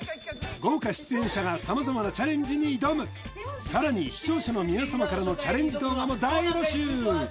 豪華出演者が様々なチャレンジに挑むさらに視聴者の皆様からのチャレンジ動画も大募集